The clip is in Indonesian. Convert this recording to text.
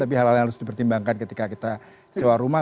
tapi hal hal yang harus dipertimbangkan ketika kita sewa rumah